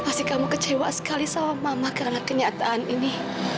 pasti kamu kecewa sekali sama mama karena kenyataan ini